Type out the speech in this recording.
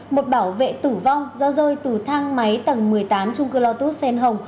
một bảo vệ tử vong do rơi từ thang máy tầng một mươi tám trung cư lotus xen hồng